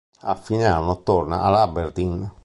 A fine anno torna all'Aberdeen.